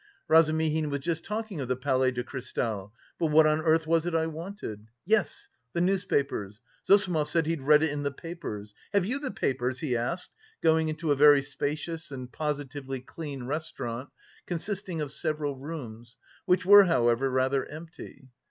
Razumihin was just talking of the Palais de Cristal. But what on earth was it I wanted? Yes, the newspapers.... Zossimov said he'd read it in the papers. Have you the papers?" he asked, going into a very spacious and positively clean restaurant, consisting of several rooms, which were, however, rather empty.